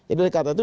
ini dari kata itu